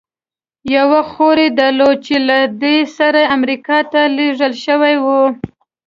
یوه خور یې درلوده، چې له ده سره امریکا ته لېږل شوې وه.